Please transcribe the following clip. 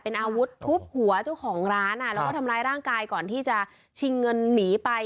อาวุธทุบหัวเจ้าของร้านแล้วก็ทำร้ายร่างกายก่อนที่จะชิงเงินหนีไป